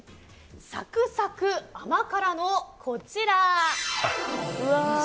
サクサク甘辛のこちら。